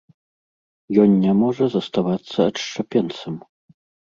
Ён не можа заставацца адшчапенцам.